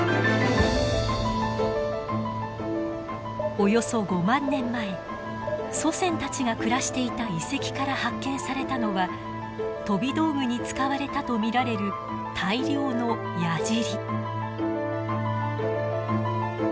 およそ５万年前祖先たちが暮らしていた遺跡から発見されたのは飛び道具に使われたと見られる大量の矢じり。